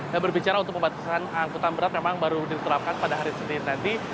dan berbicara untuk pembatasan angkutan berat memang baru diserahkan pada hari setiap nanti